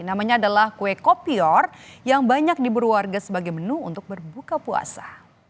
namanya adalah kue kopior yang banyak diburu warga sebagai menu untuk berbuka puasa